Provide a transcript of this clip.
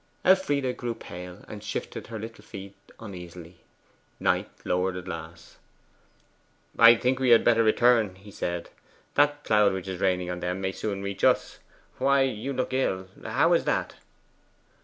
Elfride grew pale, and shifted her little feet uneasily. Knight lowered the glass. 'I think we had better return,' he said. 'That cloud which is raining on them may soon reach us. Why, you look ill. How is that?